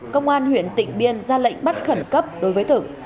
công an huyện tịnh biên ra lệnh bắt khẩn cấp đối với thực